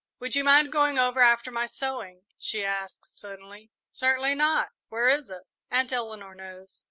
"Would you mind going over after my sewing?" she asked, suddenly. "Certainly not where is it?" "Aunt Eleanor knows."